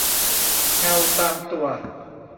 เงาตามตัว